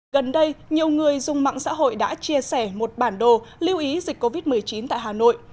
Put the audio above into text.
gần đây nhiều người dùng mạng xã hội đã chia sẻ một bản đồ lưu ý dịch covid một mươi chín tại hà nội